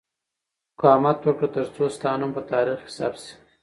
مقاومت وکړه ترڅو ستا نوم په تاریخ کې ثبت شي.